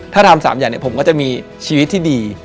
ถ้าทำ๓อย่างเนี่ยผมก็จะมีชีวิตที่ดี